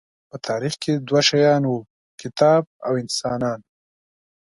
په تاریخ کې دوه شیان وو، کتاب او انسانان.